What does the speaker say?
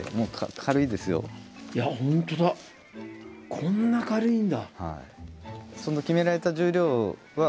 こんな軽いんだ。